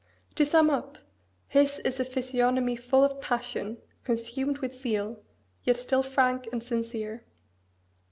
To sum up: his is a physiognomy full of passion, consumed with zeal, yet still frank and sincere.